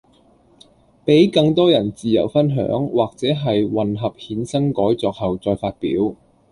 比更多人自由分享，或者係混合衍生改作後再發表